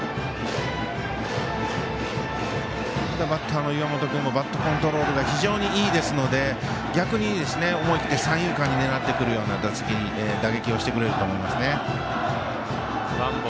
ただバッターの岩本君もバットコントロールが非常にいいですので逆に、思い切って三遊間狙ってくるような打撃をしてくれると思いますね。